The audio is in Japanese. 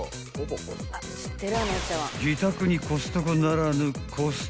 ［自宅にコストコならぬ］